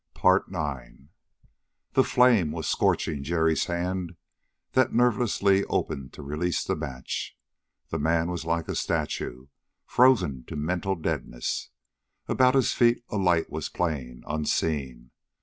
The flame was scorching Jerry's hand that nervelessly opened to release the match. The man was like a statue, frozen to mental deadness. About his feet a light was playing, unseen.